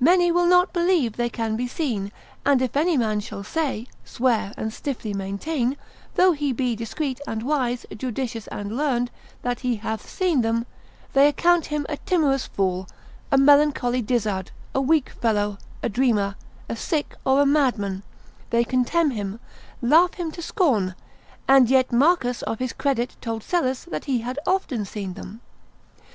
Many will not believe they can be seen, and if any man shall say, swear, and stiffly maintain, though he be discreet and wise, judicious and learned, that he hath seen them, they account him a timorous fool, a melancholy dizzard, a weak fellow, a dreamer, a sick or a mad man, they contemn him, laugh him to scorn, and yet Marcus of his credit told Psellus that he had often seen them.